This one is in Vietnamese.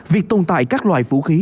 việc tồn tại các loại vũ khí